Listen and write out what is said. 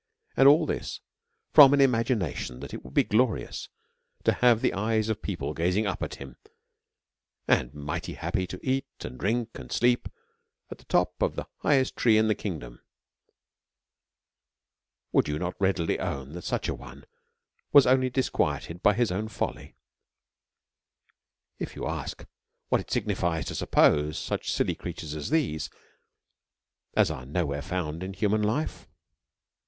And all this from an imagination that it would be glorious to have the eyes of people gazing up at him, and mighty happy to eat, and drink, and sleep, at the top of the highest trees in the kingdom. Would you not readily own that such an one was only dis quieted by his own folly? If you ask, what it signifies to suppose such silly creatures as these as are no where to be found in hu man life